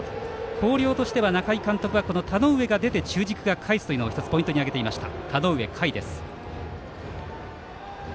広陵としては中井監督は田上が出て中軸が出るというのがポイントに挙げていました。